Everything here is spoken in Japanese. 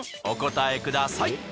お答えください。